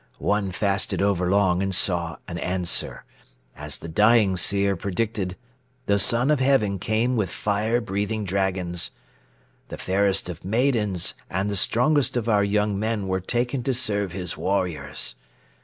One fasted overlong and saw an answer. As the dying seer predicted the Son of Heaven came with fire breathing dragons. The fairest of maidens and the strongest of our young men were taken to serve his warriors.